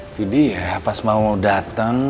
itu dia pas mau datang